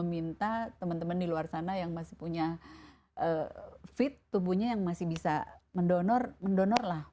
minta teman teman di luar sana yang masih punya fit tubuhnya yang masih bisa mendonor mendonor lah